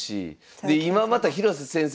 で今また広瀬先生